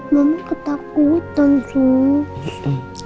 mama ketakutan sus